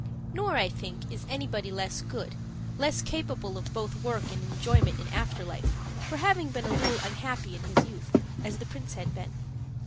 Nor, I think, is anybody less good, less capable of both work and enjoyment in after life, for having been a little unhappy in his youth, as the prince had been.